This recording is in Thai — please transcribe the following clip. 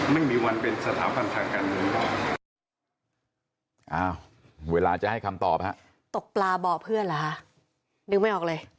ไม่มีวันเป็นสถาบันทางการเมือง